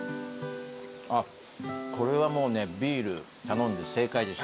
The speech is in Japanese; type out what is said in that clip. あっこれはもうビール頼んで正解でした。